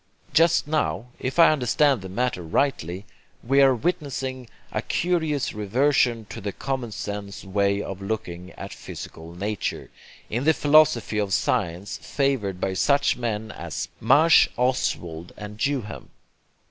Just now, if I understand the matter rightly, we are witnessing a curious reversion to the common sense way of looking at physical nature, in the philosophy of science favored by such men as Mach, Ostwald and Duhem.